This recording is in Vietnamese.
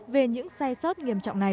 về những sai sót nghiêm trọng này